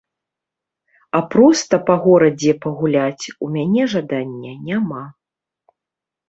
А проста па горадзе пагуляць у мяне жадання няма.